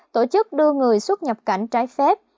tổ chức đưa người xuất nhập cảnh trái phép